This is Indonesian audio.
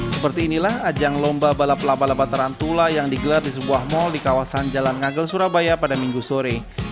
seperti inilah ajang lomba balap laba laba tarantula yang digelar di sebuah mal di kawasan jalan ngagel surabaya pada minggu sore